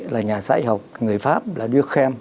là nhà sách học người pháp duy khem